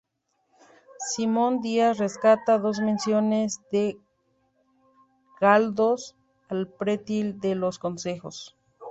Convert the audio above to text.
Simón Díaz rescata dos menciones de Galdós al "Pretil de los Consejos".